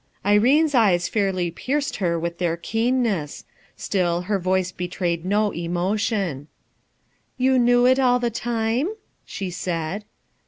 Irene's eyes fairly pierced her with their keenness; still, her voice IxHrayed no emotion. ♦'You knew it all the time?" she said.